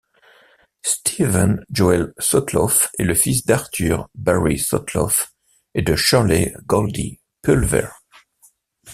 Steven Joel Sotloff est le fils d'Arthur Barry Sotloff et de Shirley Goldie Pulwer.